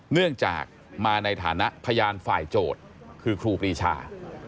เนื่องจากมาในฐานะพยานฝ่ายโจทย์คือครูปรีชา